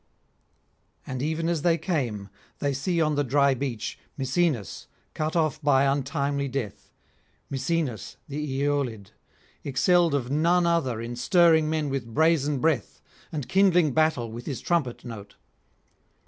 And even as they came, they see on the dry beach Misenus cut off by untimely death, Misenus the Aeolid, excelled of none other in stirring men with brazen breath and kindling battle with his trumpet note.